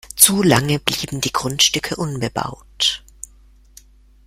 Zu lange blieben die Grundstücke unbebaut.